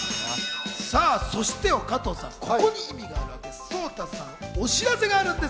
そして加藤さん、ここに意味があります。